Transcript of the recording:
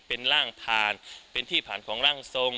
เป็นร่างผ่านเป็นที่ผ่านของร่างทรง